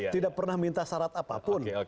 tidak pernah minta syarat apapun